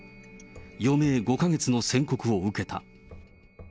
余命５か月の宣告を受けた。